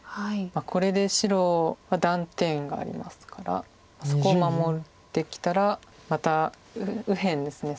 これで白は断点がありますからそこを守ってきたらまた右辺ですね